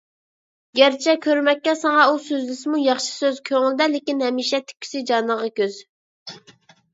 گەرچە كۆرمەككە ساڭا ئۇ سۆزلىسىمۇ ياخشى سۆز، كۆڭلىدە لېكىن ھەمىشە تىككۈسى جانىڭغا كۆز.